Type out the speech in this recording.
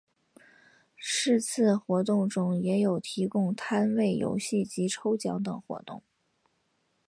是次活动中也有提供摊位游戏及抽奖等活动。